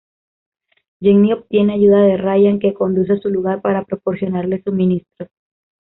Jenny obtiene ayuda de Ryan, que conduce a su lugar para proporcionarle suministros.